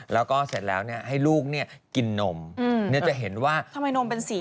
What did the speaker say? แล้วก็เสร็จแล้วให้ลูกกินนมจะเห็นว่าทำไมนมเป็นสี